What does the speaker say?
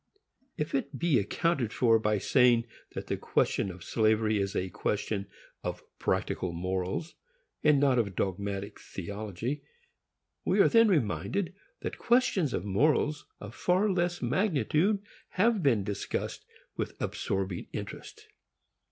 If it be accounted for by saying that the question of slavery is a question of practical morals, and not of dogmatic theology, we are then reminded that questions of morals of far less magnitude have been discussed with absorbing interest.